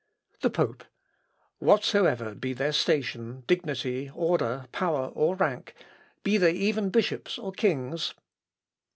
The Pope. "Whatever be their station, dignity, order, power, or rank; be they even bishops or kings...."